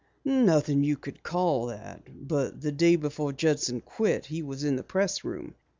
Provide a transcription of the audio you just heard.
"Nothing you could call that. But the day before Judson quit he was in the pressroom.